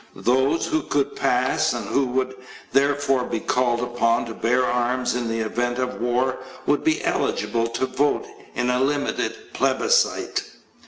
Those who could pass and who would therefore be called upon to bear arms in the event of war would be ehgible to vote in a limited plebiscite.